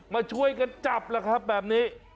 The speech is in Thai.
มาช่วยกันจับแบบนี้